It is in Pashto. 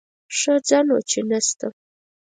ښه ځه نو چې نه شته.